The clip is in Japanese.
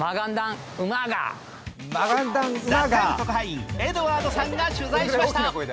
特派員、エドワードさんが取材しました。